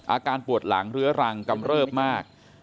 อาการปวดหลังเรื้อรังกำเริบมาก